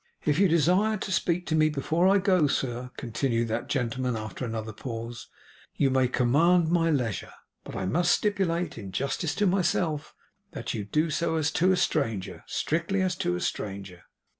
'If you desire to speak to me before I go, sir,' continued that gentleman, after another pause, 'you may command my leisure; but I must stipulate, in justice to myself, that you do so as to a stranger, strictly as to a stranger.